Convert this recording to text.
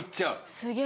すげえ。